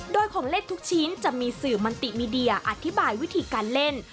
โดยของเล่นทุกชิ้นจะมีสื่อมันติมีเดียอธิบายวิธีการเล่น